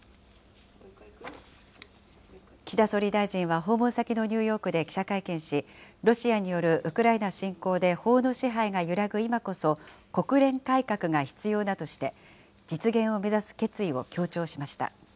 岸田総理大臣は訪問先のニューヨークで記者会見し、ロシアによるウクライナ侵攻で法の支配が揺らぐ今こそ、国連改革が必要だとして、実現を目指す決意を強調しました。